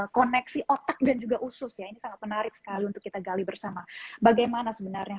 koneksi otak dan juga usus ya ini sangat menarik sekali untuk kita gali bersama bagaimana sebenarnya